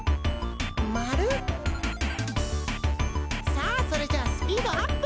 さあそれじゃあスピードアップ！